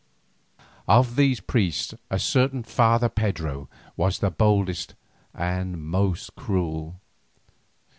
Of these priests a certain Father Pedro was the boldest and the most cruel.